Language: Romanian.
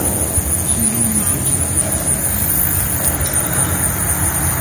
Și în două mii zece, bugetul pentru investiții va fi de trei procente.